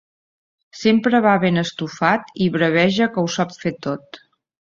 Sempre va ben estufat i braveja que ho sap fer tot.